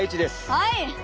はい！